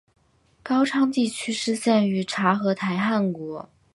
高昌地区失陷于察合台汗国。